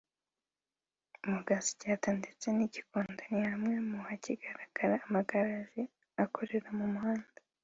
mu Gatsata ndetse n’i Gikondo ni hamwe mu hakigaragara amagaraje akorera mu muhanda